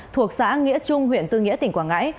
thuộc xã nghĩa trung huyện tư nghĩa tỉnh quảng ngãi